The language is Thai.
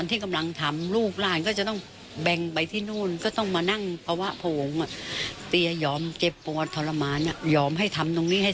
ทังโน้นโถบอกเลยว่าเตียไปแล้ว